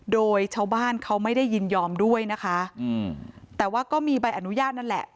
โดยชาวบ้านเขาไม่ได้ยินยอมด้วยนะคะอืมแต่ว่าก็มีใบอนุญาตนั่นแหละ